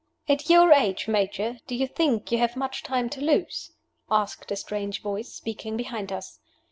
"At your age, Major, do you think you have much time to lose?" asked a strange voice, speaking behind us.